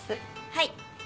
はい。